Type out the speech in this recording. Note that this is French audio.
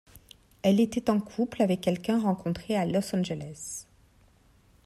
Elle était en couple avec quelqu'un rencontré à Los Angeles.